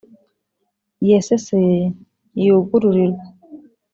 Iyaseseye ntiyugururirwa.